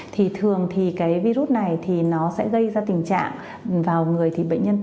thường thì virus này nó sẽ gây ra tình trạng vào người bệnh nhân